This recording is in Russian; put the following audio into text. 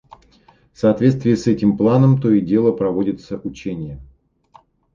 В соответствии с этим планом то и дело проводятся учения.